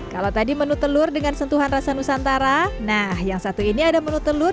kalau tadi menu telur dengan sentuhan rasa nusantara nah yang satu ini ada menu telur